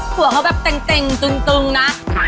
หัวเขาแบบเต็งตึงนะ